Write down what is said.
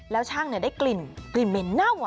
แล้วช่างได้กลิ่นเหม็นเน่า